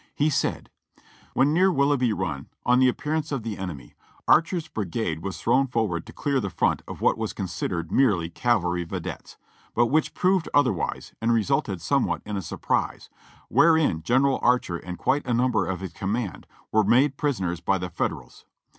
He said: "When near Willoughby Run, on the appearance of the enemy, Archer's brigade was thrown forward to clear the front of what was considered merely cavalry videttes, but w^hich proved otherwise and resulted somewhat in a surprise, wherein General Archer and quite a number of his command were made prisoners b} the Fed erals.